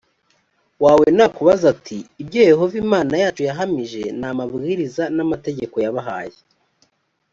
wawe nakubaza ati ibyo yehova imana yacu yahamije n amabwiriza n amategeko yabahaye